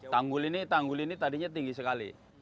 tanggul ini tadinya tinggi sekali